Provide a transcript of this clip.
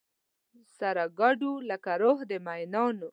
سره ګډو لکه روح د مینانو